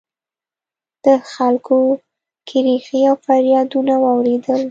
د خلکو کریغې او فریادونه واورېدل